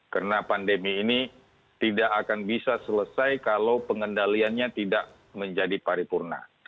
karena pandemi ini tidak akan bisa selesai kalau pengendaliannya tidak menjadi paripurna